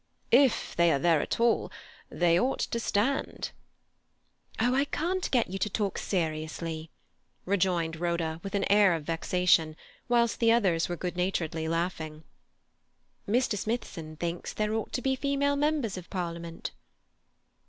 "If they are there at all they ought to stand." "Oh, I can't get you to talk seriously," rejoined Rhoda, with an air of vexation, whilst the others were good naturedly laughing. "Mr. Smithson thinks there ought to be female members of Parliament."